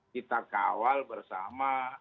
kita kawal bersama